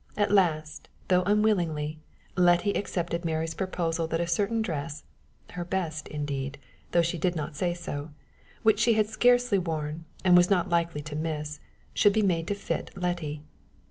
At last, though unwillingly, Letty accepted Mary's proposal that a certain dress, her best indeed, though she did not say so, which she had scarcely worn, and was not likely to miss, should be made to fit Letty.